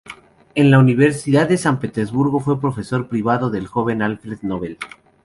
En la Universidad de San Petersburgo fue profesor privado del joven Alfred Nobel.